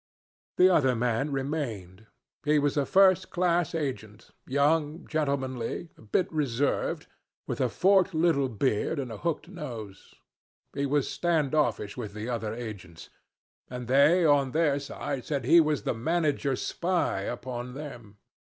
The other man remained. He was a first class agent, young, gentlemanly, a bit reserved, with a forked little beard and a hooked nose. He was stand offish with the other agents, and they on their side said he was the manager's spy upon them.